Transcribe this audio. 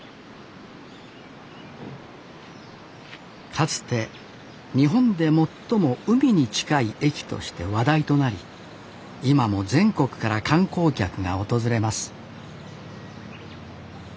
かつて日本で最も海に近い駅として話題となり今も全国から観光客が訪れます